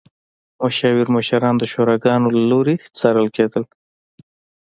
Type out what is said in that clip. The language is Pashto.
مشاور مشران د شوراګانو له لوري څارل کېدل.